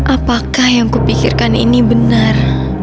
apakah yang kupikirkan ini benar